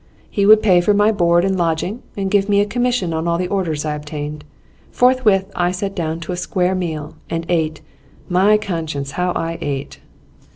He would pay for my board and lodging, and give me a commission on all the orders I obtained. Forthwith I sat down to a "square meal," and ate my conscience, how I ate!